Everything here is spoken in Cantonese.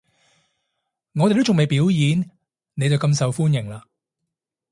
我哋都仲未表演，你就咁受歡迎喇